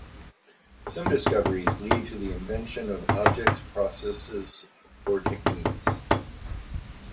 Some discoveries lead to the invention of objects, processes, or techniques.